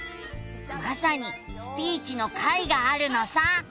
まさに「スピーチ」の回があるのさ。